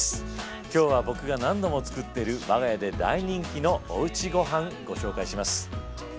今日は僕が何度も作っている我が家で大人気の「おうちごはん」ご紹介します。